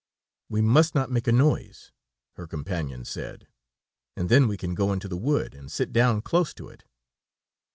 "We must not make a noise," her companion said, "and then we can go into the wood, and sit down close to it."